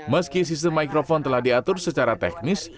meski sistem mikrofon telah diatur secara teknis